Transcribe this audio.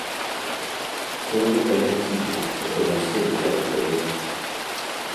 C'est au moment de la fatigue que tu vas commencer de faire du progrès.